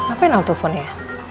apa yang al teleponnya